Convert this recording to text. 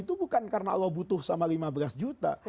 itu bukan karena allah butuh sama lima belas juta